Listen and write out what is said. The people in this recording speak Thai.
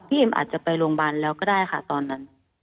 เอ็มอาจจะไปโรงพยาบาลแล้วก็ได้ค่ะตอนนั้น